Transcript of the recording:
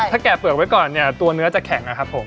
ถ้าแกะเปลือกไว้ก่อนเนี่ยตัวเนื้อจะแข็งนะครับผม